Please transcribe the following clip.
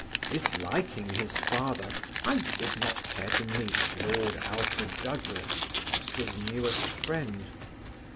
Disliking his father, I did not care to meet Lord Alfred Douglas, Oscar's newest friend.